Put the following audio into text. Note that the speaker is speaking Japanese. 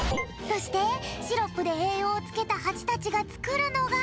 そしてシロップでえいようをつけたハチたちがつくるのが。